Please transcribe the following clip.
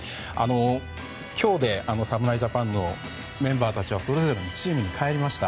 今日で侍ジャパンのメンバーたちはそれぞれのチームに帰りました。